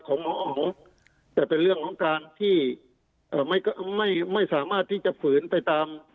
หมออ๋องแต่เป็นเรื่องของการที่ไม่สามารถที่จะฝืนไปตาม